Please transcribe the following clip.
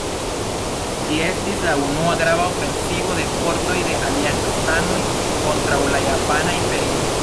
Ĝi estis la unua grava ofensivo de fortoj de Aliancanoj kontraŭ la Japana Imperio.